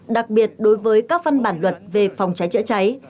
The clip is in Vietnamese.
đặc biệt đối với các văn bản luật về phòng cháy chữa cháy